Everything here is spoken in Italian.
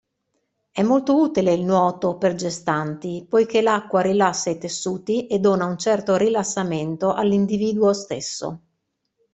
È molto utile il nuoto per gestanti, poiché l'acqua rilassa i tessuti e dona un certo rilassamento all'individuo stesso.